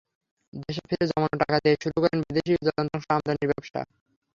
দেশে ফিরে জমানো টাকা দিয়ে শুরু করেন বিদেশি যন্ত্রাংশ আমদানির ব্যবসা।